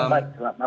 selamat malam ya